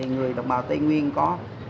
người đồng bào tây nguyên có